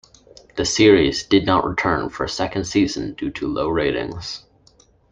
The series did not return for a second season due to low ratings.